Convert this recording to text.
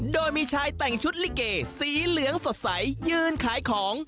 โดยมีชายแต่งชุดลิเกสีเหลืองสดใสยืนขายของ